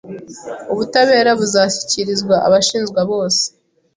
Ubutabera buzashyikirizwa abashinjwa bose